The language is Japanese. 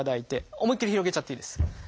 思いっきり広げちゃっていいです。